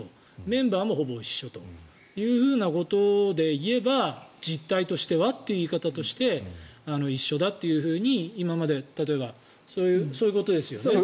メンバーもほぼ一緒ということでいえば実態としてはという言い方として一緒だというふうに今まで例えば、そういうことですよね。